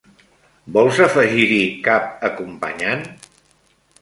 Vols afegir-hi cap acompanyant?